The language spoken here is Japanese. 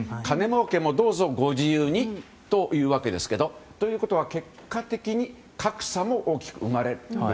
金もうけもどうぞご自由にというわけですけれどもということは結果的に格差も大きく生まれる。